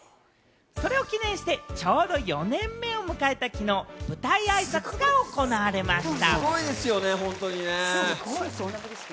それを記念して、ちょうど４年目を迎えたきのう、舞台あいさつが行われました。